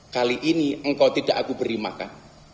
kali ini engkau tidak aku beri makan